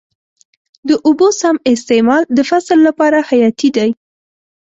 د اوبو سم استعمال د فصل لپاره حیاتي دی.